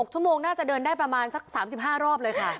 ชั่วโมงน่าจะเดินได้ประมาณสัก๓๕รอบเลยค่ะ